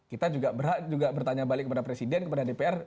kita juga bertanya balik kepada presiden kepada dpr